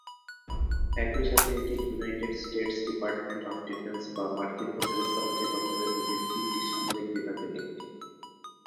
একই সাথে এটি United States Department of Defense বা মার্কিন প্রতিরক্ষা অধিদপ্তরের অধীন তিনটি সামরিক বিভাগের একটি।